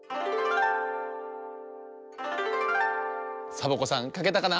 サボ子さんかけたかな？